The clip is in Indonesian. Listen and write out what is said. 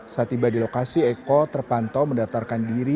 saat tiba di lokasi eko terpantau mendaftarkan diri